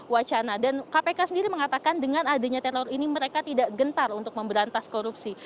wacana dan kpk sendiri mengatakan dengan adanya teror ini mereka tidak gentar untuk memberantas korupsi